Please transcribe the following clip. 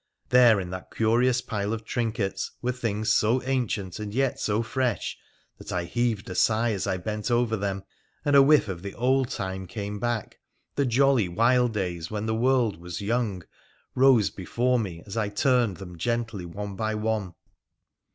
There in that curious pile of trinkets were things so ancient and yet so fresh that I heaved a sigh as I bent over them, and a whiff of the old time came back — the jolly wild days when the world was young rose before me as I turned them tenderly one by one.